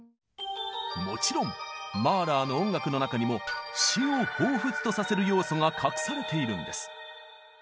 もちろんマーラーの音楽の中にも「死」を彷彿とさせる要素が隠されているんです！